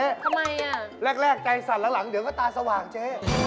ทำไมอ่ะแรกใจสั่นหลังเดี๋ยวก็ตาสว่างเจ๊